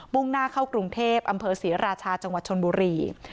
่งหน้าเข้ากรุงเทพอำเภอศรีราชาจังหวัดชนบุรี